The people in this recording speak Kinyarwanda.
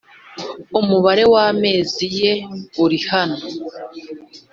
Umubare w amezi ye uri hano